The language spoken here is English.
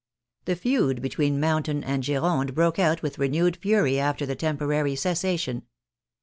The feud between Mountain and Gironde broke out with renewed fury after the temporary cessation.